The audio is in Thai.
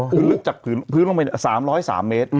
พึ่งลึกจากพึ่งลงไป๓๐๓เมตร